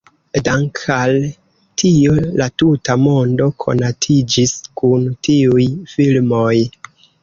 Dank' al tio la tuta mondo konatiĝis kun tiuj filmoj.